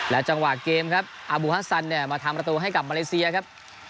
จังหวะเกมครับอาบูฮัสซันเนี่ยมาทำประตูให้กับมาเลเซียครับ